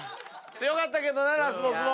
強かったけどなラスボスも。